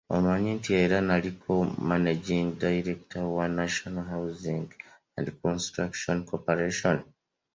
Omanyi nti era naliko Managing Director wa National Housing and Construction Corporation.